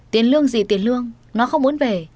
tiền lương gì tiền lương nó không muốn về